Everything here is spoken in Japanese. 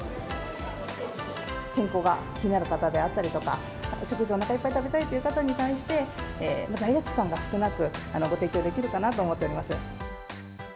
健康が気になる方であったりとか、お食事をおなかいっぱい食べたいという方に対して、罪悪感が少なく、ご提供できるかなと思っております。